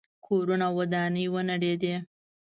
کورونه او ودانۍ ونړېدې.